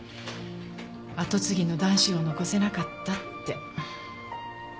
跡継ぎの男子を残せなかったって。